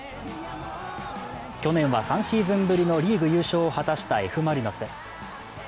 去年は３シーズンぶりのリーグ優勝を果たしたＦ・マリノス。